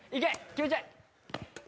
決めちゃえ！